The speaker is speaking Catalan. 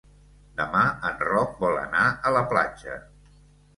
Demà en Roc vol anar a la platja.